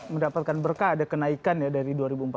mendapatkan berkah ada kenaikan ya dari